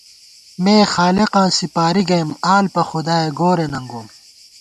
مےخالقاں سِپاری گَئیم ، آلپاخدائے گورے ننگوم